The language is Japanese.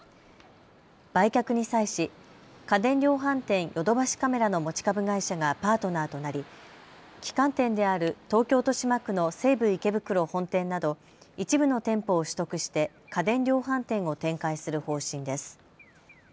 売却に際し家電量販店、ヨドバシカメラの持ち株会社がパートナーとなり旗艦店である東京豊島区の西武池袋本店など一部の店舗を取得して家電量販店を展開する方針です。